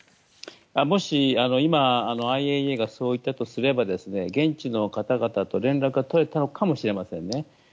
もし、今ＩＡＥＡがそう言ったとすれば現地の方々と連絡が取れたのかもしれませんね。